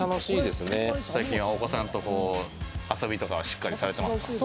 最近は、お子さんと遊びとかは、しっかりされてますか？